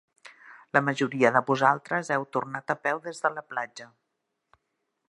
La majoria de vosaltres heu tornat a peu des de la platja.